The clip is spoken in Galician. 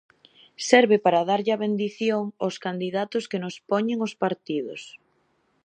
Serve para darlle a bendición aos candidatos que nos poñen os partidos.